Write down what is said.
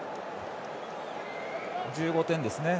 １５点ですね。